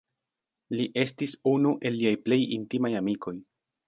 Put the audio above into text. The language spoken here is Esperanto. Li estis unu el liaj plej intimaj amikoj.